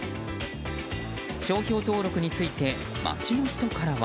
商標登録について街の人からは。